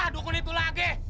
dukun itu lagi